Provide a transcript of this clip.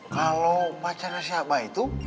kalau pacarnya si abah itu